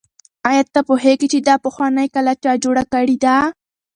آیا ته پوهېږې چې دا پخوانۍ کلا چا جوړه کړې ده؟